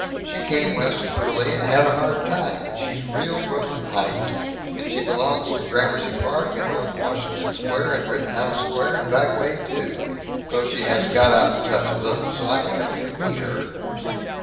She came West early, and had a hard time, but she's real Brooklyn Heights and she belongs to Gramercy Park and North Washington Square and Rittenhouse Square and Back Bay, too, though she has got out of touch a little. So I wanted you to meet her."